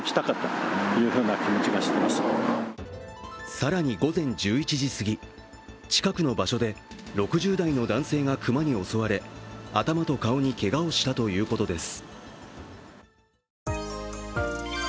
更に午前１１時すぎ、近くの場所で６０代の男性が熊に襲われ頭と顔にけがをしたということです。